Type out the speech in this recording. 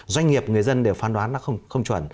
doanh nghiệp người dân đều phán đoán nó không chuẩn